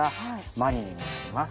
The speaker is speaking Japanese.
マリネになります。